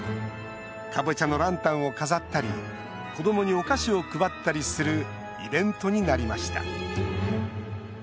カボチャのランタンを飾ったり子どもにお菓子を配ったりするイベントになりました。